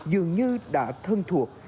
dường như đã thân thuộc